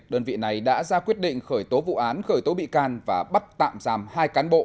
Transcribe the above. đơn vị này đã ra quyết định khởi tố vụ án khởi tố bị can và bắt tạm giam hai cán bộ